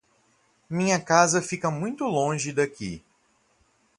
Minha casa fica muito longe daqui.